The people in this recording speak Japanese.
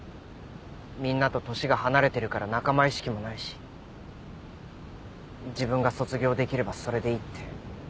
みんなと年が離れてるから仲間意識もないし自分が卒業できればそれでいいって。